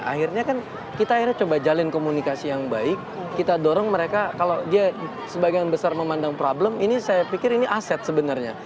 akhirnya kan kita akhirnya coba jalin komunikasi yang baik kita dorong mereka kalau dia sebagian besar memandang problem ini saya pikir ini aset sebenarnya